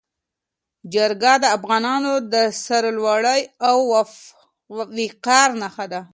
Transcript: جرګه د افغانانو د سرلوړۍ او وقار نښه ده.